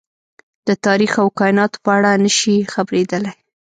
د تاريخ او کايناتو په اړه نه شي خبرېدلی.